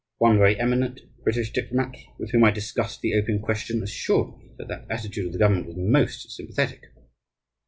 One very eminent British diplomat with whom I discussed the opium question assured me that that attitude of his government was "most sympathetic."